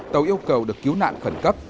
tàu yêu cầu được cứu nạn khẩn cấp